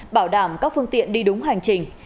bảo đảm các phương tiện đi đúng hành trình